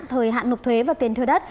thời hạn nộp thuế và tiền thuê đất